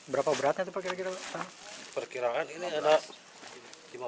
berapa beratnya itu pak kira kira